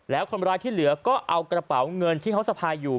แล้วคนร้ายที่เหลือก็เอากระเป๋าเงินที่เขาสะพายอยู่